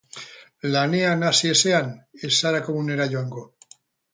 Lanean hasi ezean, ez zara komunera joango.